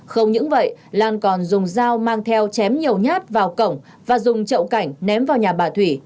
không những vậy lan còn dùng dao mang theo chém nhiều nhát vào cổng và dùng chậu cảnh ném vào nhà bà thủy